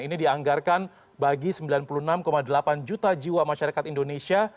ini dianggarkan bagi sembilan puluh enam delapan juta jiwa masyarakat indonesia